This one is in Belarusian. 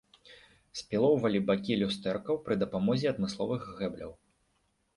Спілоўвалі бакі люстэркаў пры дапамозе адмысловых гэбляў.